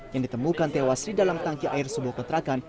yang ditemukan tewas di dalam tangki air subuh ketrakan